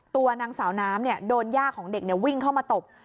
ตัวนางสาวน้ำโดนย่าของเด็กวิ่งเข้ามาตบ